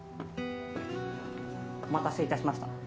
お待たせ致しました。